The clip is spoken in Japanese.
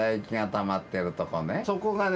そこがね。